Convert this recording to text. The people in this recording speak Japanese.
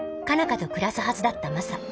花と暮らすはずだったマサ。